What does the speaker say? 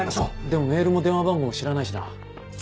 でもメールも電話番号も知らないしな。